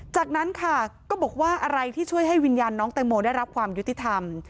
จากนั้นค่ะก็บอกว่าอะไรที่ช่วยให้วิญญาณน้องแตงโมได้รับความยุติธรรม